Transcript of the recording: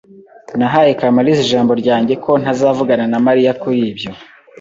Nahaye Kamaliza ijambo ryanjye ko ntazavugana na Mariya kuri ibyo.